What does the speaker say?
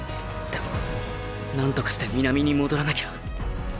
でも何とかして南に戻らなきゃ。